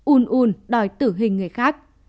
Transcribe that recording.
un un đòi tử hình người khác